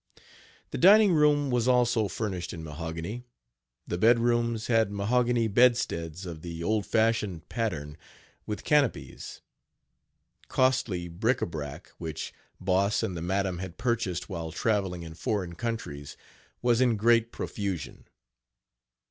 The dining room was also furnished in mahogany. The bedrooms had mahogany bedsteads of the old fashioned pattern with canopies. Costly bric a brac, which Boss and the madam had purchased while traveling in foreign countries, was in great profusion.